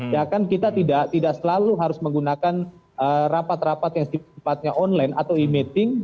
ya kan kita tidak selalu harus menggunakan rapat rapat yang online atau e meeting